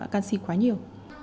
canxi quá nhiều